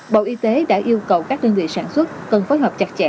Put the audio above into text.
bộ y tế đã yêu cầu các đơn vị sản xuất cần phối hợp chặt chẽ